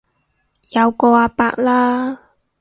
有個阿伯啦